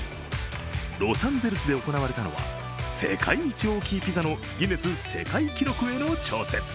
ロサンゼルスで行われたのは、世界一大きいピザのギネス世界記録への挑戦。